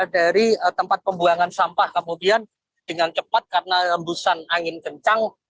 dari tempat pembuangan sampah kemudian dengan cepat karena hembusan angin kencang